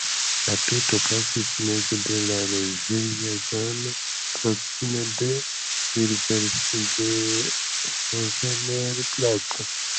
La tuto pasis meze de loĝeja zono proksime de Ilversgehovener-placo.